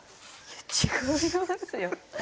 違いますよ。